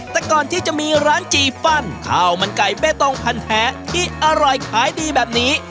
แต่ก่อนที่จะมีร้านจีฟันข้าวมันไก่เบตงพันแท้ที่อร่อยขายดีแบบนี้